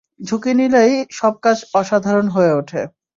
ঝুঁকি নিলেই সব কাজ অসাধারণ হয়ে ওঠে।